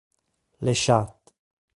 Le chat